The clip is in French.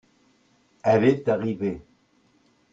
elles est arrivée.